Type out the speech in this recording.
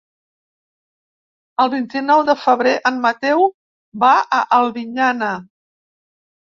El vint-i-nou de febrer en Mateu va a Albinyana.